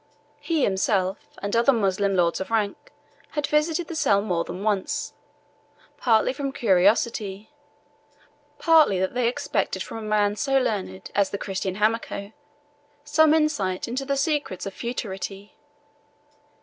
He himself, and other Moslem lords of rank, had visited the cell more than once, partly from curiosity, partly that they expected from a man so learned as the Christian Hamako some insight into the secrets of futurity.